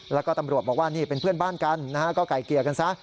แล้วก็ตำรวจบอกว่านี่เป็นเพื่อนบ้านกันนะฮะก็ไก่เกลี่ยกันซะ